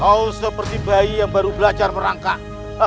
oh seperti bayi yang baru belajar merangkak